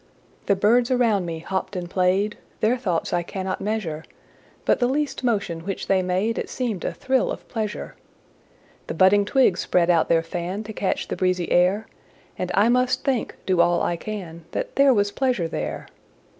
The birds around me hopped and played, Their thoughts I cannot measure: But the least motion which they made It seemed a thrill of pleasure. The budding twigs spread out their fan, To catch the breezy air; And I must think, do all I can, That there was pleasure there.